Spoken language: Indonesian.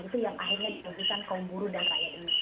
itu yang akhirnya dirugikan kaum buruh dan rakyat indonesia